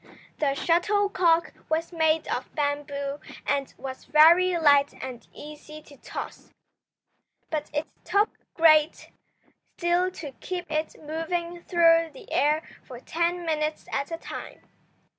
The shuttlecock was made of bamboo and was very light and easy to toss. But it took great skill to keep it moving through the air for ten minutes at a time.